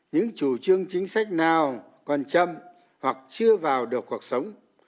những chủ trương chính sách nào còn chậm hoặc chưa vào được cuộc sống